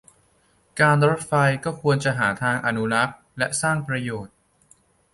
การรถไฟก็ควรจะหาทางอนุรักษ์ และ สร้างประโยชน์